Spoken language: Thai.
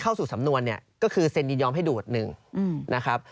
เข้าสู่สำนวนเนี่ยก็คือเซ็นยินยอมให้ดูดหนึ่งนะครับ